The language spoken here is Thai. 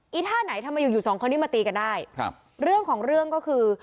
ไอ้ท่านไหนทำไมอยู่๒คนนี้มาตีกันได้เรื่องของเรื่องก็คือ